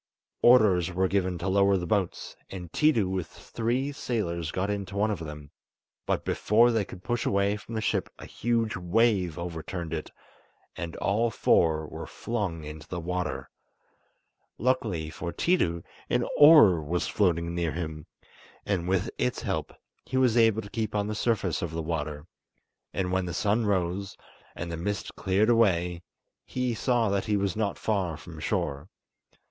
Orders were given to lower the boats, and Tiidu with three sailors got into one of them, but before they could push away from the ship a huge wave overturned it, and all four were flung into the water. Luckily for Tiidu an oar was floating near him, and with its help he was able to keep on the surface of the water; and when the sun rose, and the mist cleared away, he saw that he was not far from shore.